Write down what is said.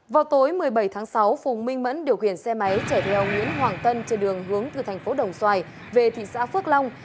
vào tối một mươi bảy tháng sáu phùng minh mẫn điều khiển xe máy chở theo nguyễn hoàng tân trên đường hướng từ thành phố đồng xoài về thị xã phước long